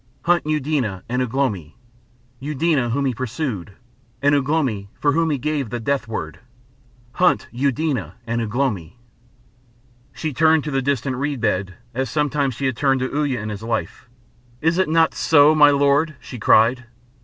Hunt Eudena and Ugh lomi, Eudena whom he pursued, and Ugh lomi for whom he gave the death word! Hunt Eudena and Ugh lomi!" She turned to the distant reed bed, as sometimes she had turned to Uya in his life. "Is it not so, my lord?" she cried.